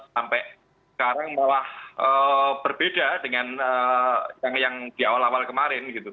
sampai sekarang malah berbeda dengan yang di awal awal kemarin gitu